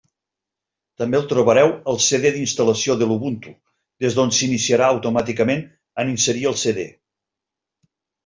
També el trobareu al CD d'instal·lació de l'Ubuntu, des d'on s'iniciarà automàticament en inserir el CD.